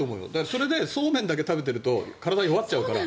それでそうめんだけ食べていると体弱っちゃうから。